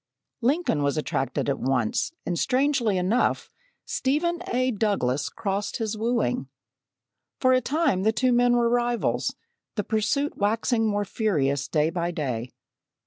Lincoln was attracted at once, and strangely enough, Stephen A. Douglas crossed his wooing. For a time the two men were rivals, the pursuit waxing more furious day by day.